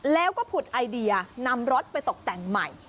แล้วผุดไอเดียเอารถประสบการณ์ใหม่